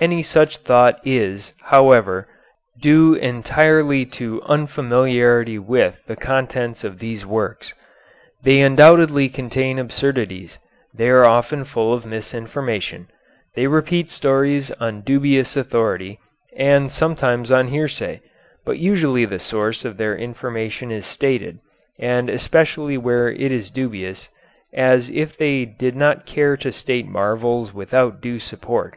Any such thought is, however, due entirely to unfamiliarity with the contents of these works. They undoubtedly contain absurdities, they are often full of misinformation, they repeat stories on dubious authority, and sometimes on hearsay, but usually the source of their information is stated, and especially where it is dubious, as if they did not care to state marvels without due support.